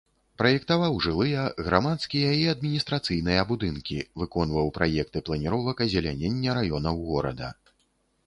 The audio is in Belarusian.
Праектаваў жылыя, грамадскія і адміністрацыйныя будынкі, выконваў праекты планіровак азелянення раёнаў горада.